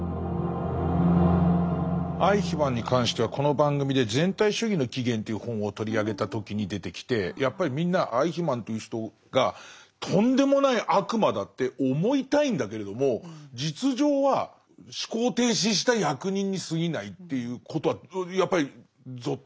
アイヒマンに関してはこの番組で「全体主義の起原」という本を取り上げた時に出てきてやっぱりみんなアイヒマンという人がとんでもない悪魔だって思いたいんだけれども実情は思考停止した役人にすぎないっていうことはやっぱりぞっとしましたね。